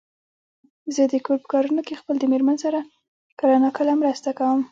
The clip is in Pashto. زه د کور په کارونو کې خپل د مېرمن سره کله ناکله مرسته کوم.